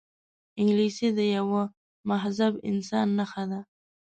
انګلیسي د یوه مهذب انسان نښه ده